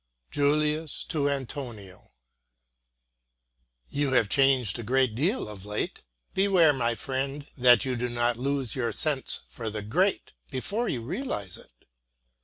JULIUS To ANTONIO You have changed a great deal of late. Beware, my friend, that you do not lose your sense for the great before you realize it.